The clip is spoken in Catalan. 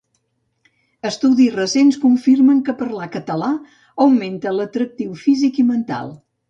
Estudis recents confirmen que parlar català augmenta l'atractiu físic i mental.